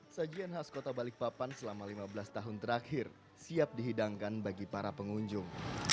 sajian khas kota balikpapan selama lima belas tahun terakhir siap dihidangkan bagi para pengunjung